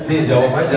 cik jawab aja